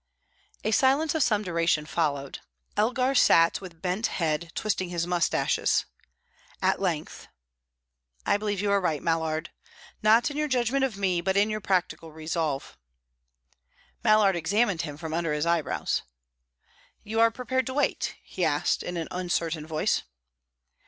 A silence of some duration followed. Elgar sat with bent head, twisting his moustaches. At length: "I believe you are right, Mallard. Not in your judgment of me, but in your practical resolve." Mallard examined him from under his eyebrows. "You are prepared to wait?" he asked, in an uncertain voice.